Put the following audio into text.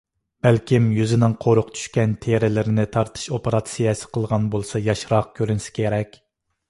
بەلكىم يۈزىنىڭ قورۇق چۈشكەن تېرىلىرىنى تارتىش ئوپېراتسىيەسى قىلغان بولسا ياشراق كۆرۈنسە كېرەك.